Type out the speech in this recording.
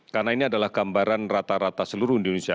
karena ini adalah gambaran rata rata seluruh indonesia